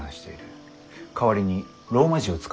代わりにローマ字を使えばいい。